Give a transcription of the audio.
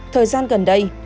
thời gian gần đây